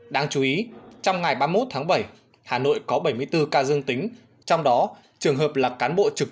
đáng chú ý trong ngày ba mươi một tháng bảy hà nội có bảy mươi bốn ca dương tính trong đó trường hợp là cán bộ trực